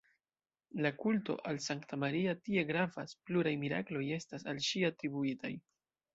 La kulto al sankta Maria tie gravas, pluraj mirakloj estas al ŝi atribuitaj.